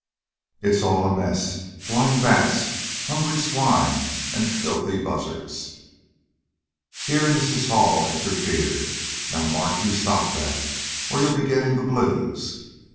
It's all a mess blind bats, hungry swine, and filthy buzzards " Here Mrs. Hall interfered. "Now, Mark, you stop that, or you'll be getting the blues."